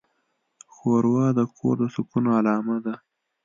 ښوروا د کور د سکون علامه ده.